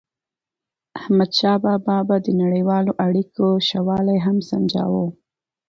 احمدشاه بابا به د نړیوالو اړیکو ښه والی هم سنجاوو.